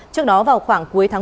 trước đó vào khoảng cuối tháng sáu